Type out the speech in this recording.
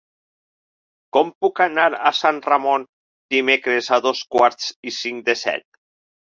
Com puc anar a Sant Ramon dimecres a dos quarts i cinc de set?